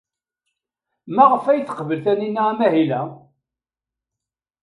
Maɣef ay teqbel Taninna amahil-a?